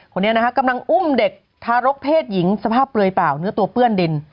คนนี้นะฮะกำลังอุ้มเด็กทารกเพศหญิงสภาพเปลือยเปล่าเนื้อตัวเปื้อนดิน